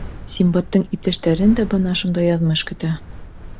Синдбадтың иптәштәрен дә бына шундай яҙмыш көтә.